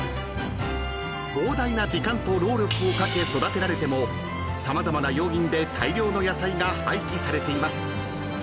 ［膨大な時間と労力をかけ育てられても様々な要因で大量の野菜が廃棄されています］